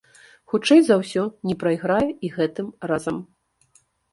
Хутчэй за ўсё, не прайграе і гэтым разам.